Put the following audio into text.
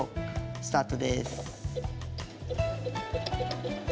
スタートです。